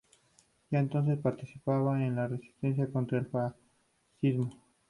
Ya entonces participaba en la resistencia contra el fascismo.